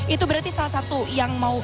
itu berarti salah satu yang mau